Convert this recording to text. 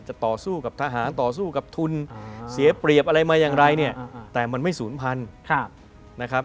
ต่อสู้กับทหารต่อสู้กับทุนเสียเปรียบอะไรมาอย่างไรเนี่ยแต่มันไม่ศูนย์พันธุ์นะครับ